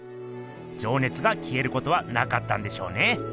じょうねつがきえることはなかったんでしょうね。